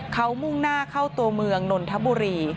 เขามุ่งหน้าเข้าตัวเมืองนนทบุรี